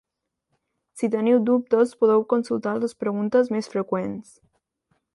Si teniu dubtes podeu consultar les preguntes més freqüents.